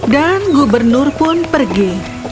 dan gubernur pun pergi